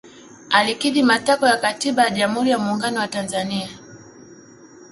alikidhi matakwa ya katiba ya jamuhuri ya muungano wa tanzania